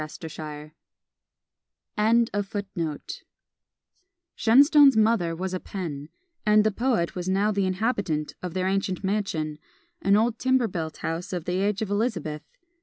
Shenstone's mother was a Penn; and the poet was now the inhabitant of their ancient mansion, an old timber built house of the age of Elizabeth.